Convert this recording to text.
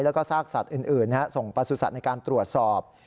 แล้วก็ซากสัตว์อื่นส่งประสุทธิ์ในการตรวจสอบ